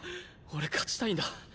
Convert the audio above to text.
俺勝ちたいんだ。